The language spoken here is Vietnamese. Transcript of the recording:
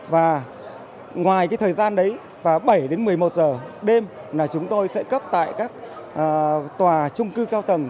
và ngoài cái thời gian đấy và bảy đến một mươi một giờ đêm là chúng tôi sẽ cấp tại các tòa trung cư cao tầng